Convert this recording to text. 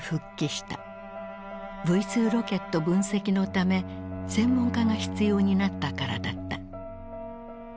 Ｖ２ロケット分析のため専門家が必要になったからだった。